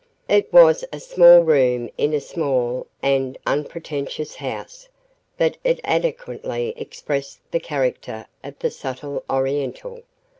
It was a small room in a small and unpretentious house, but it adequately expressed the character of the subtle Oriental.